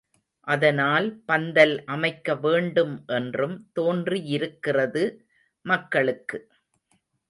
அதனால் பந்தல் அமைக்க வேண்டும் என்றும் தோன்றியிருக்கிறது, மக்களுக்கு.